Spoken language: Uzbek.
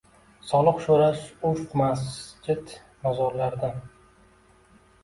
Soliq soʼrash urf masjid-mozorlardan.